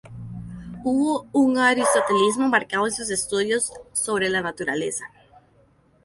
Hubo un aristotelismo marcado en sus estudios sobre la naturaleza.